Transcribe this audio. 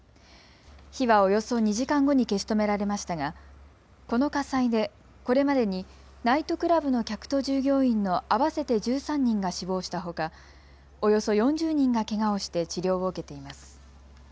火はおよそ２時間後に消し止められましたがこの火災でこれまでにナイトクラブの客と従業員の合わせて１３人が死亡したほかおよそ４０人がけがをして治療を受けています。